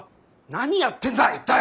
何やってんだ一体！